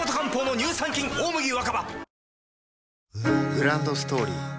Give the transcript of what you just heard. グランドストーリー